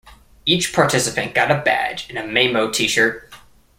Each participant got a badge and a Maemo T-shirt.